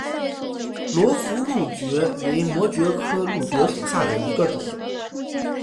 罗浮蕗蕨为膜蕨科蕗蕨属下的一个种。